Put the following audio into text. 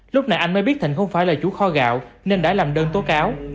lúc này anh mới biết thịnh không phải là chủ kho gạo nên đã làm đơn tố cáo